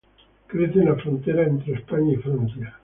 Crece en la frontera entre España y Francia.